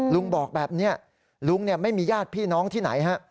ลุงบอกแบบนี้ลุงไม่มีญาติพี่น้องที่ไหนฮะ